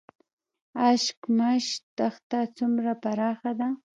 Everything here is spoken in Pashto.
اشکمش دښته څومره پراخه ده؟